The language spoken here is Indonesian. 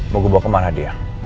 mau gue bawa kemana dia